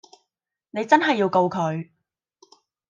你真係要告佢